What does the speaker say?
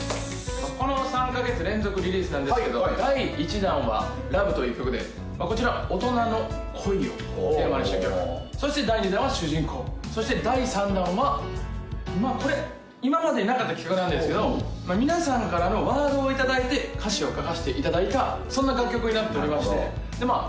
この３カ月連続リリースなんですけど第１弾は「ＬＯＶＥ」という曲でこちら大人の恋をテーマにした曲そして第２弾は「主人公」そして第３弾はまあこれ今までになかった企画なんですけど皆さんからのワードをいただいて歌詞を書かせていただいたそんな楽曲になっておりましてでまあ